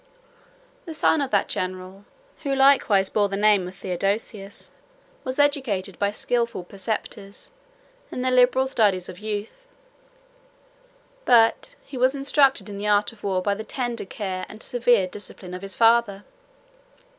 The son of that general, who likewise bore the name of Theodosius, was educated, by skilful preceptors, in the liberal studies of youth; but he was instructed in the art of war by the tender care and severe discipline of his father.